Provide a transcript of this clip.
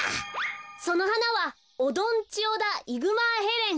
そのはなはオドンチオダ・イグマーヘレン。